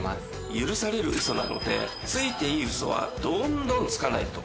許されるウソなのでついていいウソはどんどんつかないと。